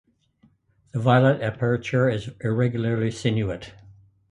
The violet aperture is irregularly sinuate.